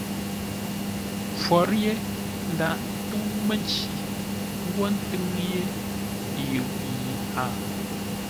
Khwor yé ndaghʼ ntə́u mənci ə́ ngwo ńtʉ́ŋ yé yʉʼ yi a.